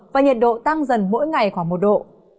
và nhiệt độ tăng dần mỗi ngày khoảng một độ